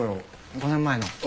５年前の。